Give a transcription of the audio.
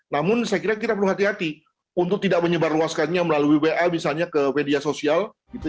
namun saya kira kita perlu hati hati untuk tidak menyebarluaskannya melalui wa misalnya ke media sosial